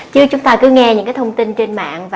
chứ chúng ta cứ nghe những cái thông tin trên mạng